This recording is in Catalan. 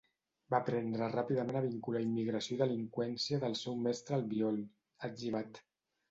Va aprendre ràpidament a vincular immigració i delinqüència del seu mestre Albiol, ha etzibat.